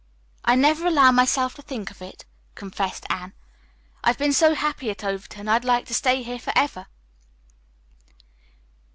"I never allow myself to think of it," confessed Anne. "I've been so happy at Overton I'd like to stay here forever."